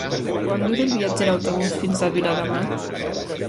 Quant dura el viatge en autobús fins a Viladamat?